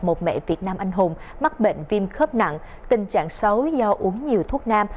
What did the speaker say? một mẹ việt nam anh hùng mắc bệnh viêm khớp nặng tình trạng xấu do uống nhiều thuốc nam